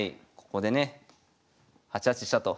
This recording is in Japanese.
ここでね８八飛車と。